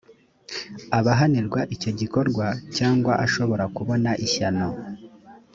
abahanirwa icyo gikorwa cyangwa ashobora kubona ishyano